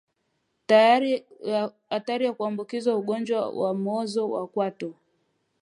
hatari ya kuambukizwa ugonjwa wa mwozo wa kwato